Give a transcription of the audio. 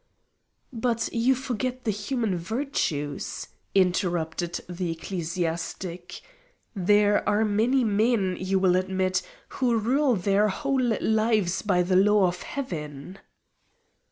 "But you forget the human virtues!" interrupted the ecclesiastic. "There are many men, you will admit, who rule their whole lives by the law of Heaven."